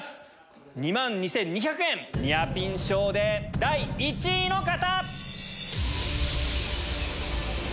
２万２２００円ニアピン賞で第１位の方！